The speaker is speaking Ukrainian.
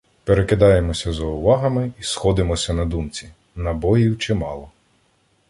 Перекидаємося заувагами і сходимося на думці: набоїв чимало.